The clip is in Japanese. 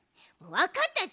わかったち！